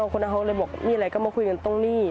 คนนั้นเขาเลยบอกมีอะไรก็มาคุยกันตรงนี้